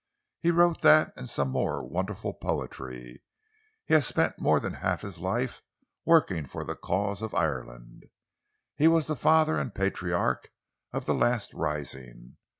"He wrote that and some more wonderful poetry. He has spent more than half his life working for the cause of Ireland. He was the father and patriarch of the last rising.